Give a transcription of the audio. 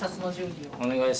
お願いします。